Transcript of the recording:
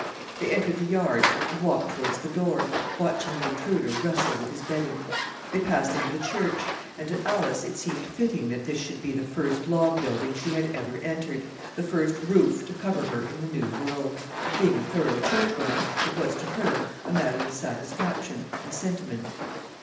They entered the yard and walked towards the door, watching the intruder wrestle with his bedding. They passed into the church, and to Alice it seemed fitting that this should be the first log building she had ever entered, the first roof to cover her in the New World. Being a thorough Churchwoman it was to her a matter of satisfaction and sentiment.